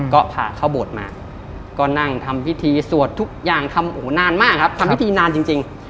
ก็พาเข้าโบสถ์มาก็นั่งทำพิธีสวดทุกอย่างทำโอ้โหนานมากครับทำพิธีนานจริง